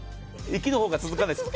息のほうが続かないです。